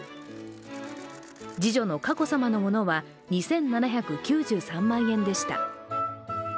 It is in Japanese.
次女の佳子さまのものは２７９３万円でした。